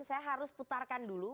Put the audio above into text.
saya harus putarkan dulu